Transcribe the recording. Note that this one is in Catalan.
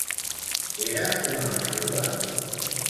Era un home jove?